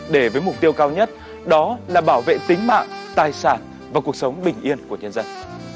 để với mục tiêu cao nhất đó là bảo vệ tính mạng tài sản và cuộc sống bình yên của nhân dân